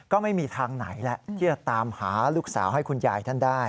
ก็ไม่มีทางไหนแหละที่จะตามหาลูกสาวให้คุณยายท่านได้